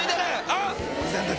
あっ！